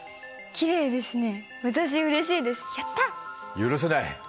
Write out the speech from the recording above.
許せない。